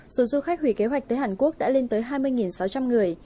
số du khách hủy kế hoạch tới hàn quốc đã lên tới hai mươi sáu trăm linh người